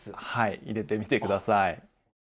はい入れてみて下さい。